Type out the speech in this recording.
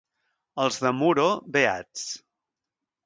Els de Muro, beats.